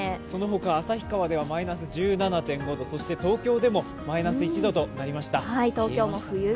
そのほか旭川ではマイナス１７．５そして東京でもマイナス１度となりました。